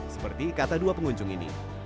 seperti kata dua pengunjung ini